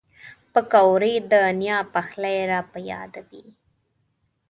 پکورې د نیا پخلی را په یادوي